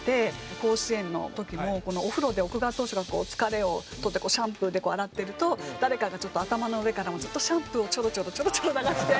甲子園の時もお風呂で奥川投手が疲れを取ってシャンプーでこう洗ってると誰かがちょっと頭の上からずっとシャンプーをチョロチョロチョロチョロ流して。